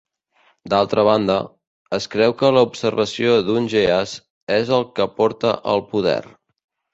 D'altra banda, es creu que l'observació d'un "GEAS" és el que porta al poder.